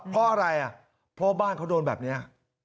เพราะอะไรอ่ะเพราะว่าบ้านเขาโดนแบบนี้